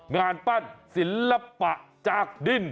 งานปั้นศิลปะจากดิน